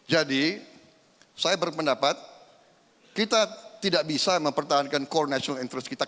jadi saya berpendapat kita tidak bisa mempertahankan core national interest kita